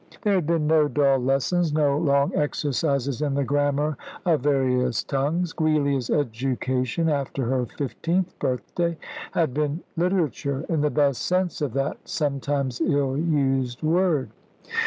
There had been no dull lessons, no long exercises in the grammar of various tongues Giulia's education after her fifteenth birthday had been literature, in the best sense of that sometimes ill used word.